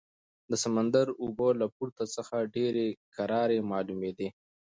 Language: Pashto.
د سمندر اوبه له پورته څخه ډېرې کرارې معلومېدې.